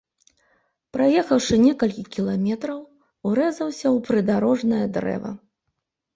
Праехаўшы некалькі кіламетраў, урэзаўся ў прыдарожнае дрэва.